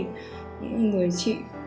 những người chị